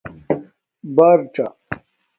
برڎا